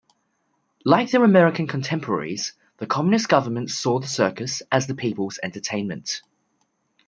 Like their American contemporaries, the Communist government saw the circus as the people's entertainment.